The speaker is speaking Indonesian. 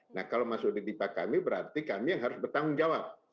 nah kalau masuk di dipak kami berarti kami yang harus bertanggung jawab